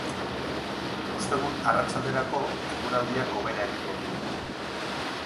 Ostegun arratsalderako eguraldiak hobera egingo du.